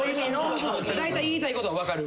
だいたい言いたいことは分かる。